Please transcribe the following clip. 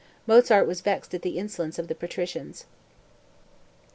Mozart was vexed at the insolence of the patricians.)